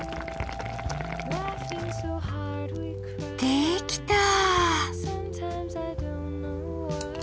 できた！